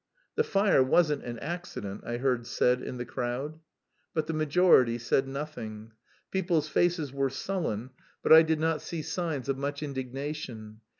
"The fire wasn't an accident," I heard said in the crowd. But the majority said nothing. People's faces were sullen, but I did not see signs of much indignation.